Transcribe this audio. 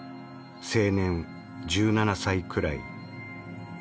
青年１７歳くらい」。